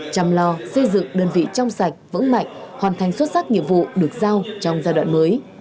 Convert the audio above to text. chăm lo xây dựng đơn vị trong sạch vững mạnh hoàn thành xuất sắc nhiệm vụ được giao trong giai đoạn mới